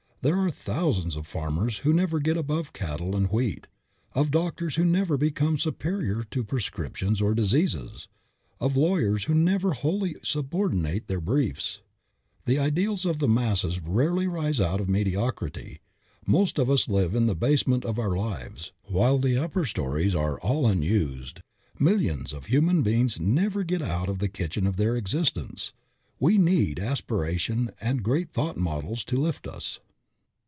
There are thousands of farmers who never get above cattle and wheat, of doctors who never become superior to prescriptions and diseases, of lawyers who never wholly subordinate their briefs. The ideals of the masses rarely rise out of mediocrity. Most of us live in the basement of our lives, while the upper stories are all unused. Millions of human beings never get out of the kitchen of their existence. We need aspiration and great thought models to lift us.